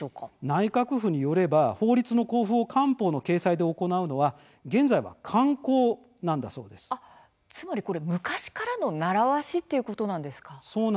内閣府によれば法律の公布を官報の掲載で行うのはつまり昔からの習わしそうなんです。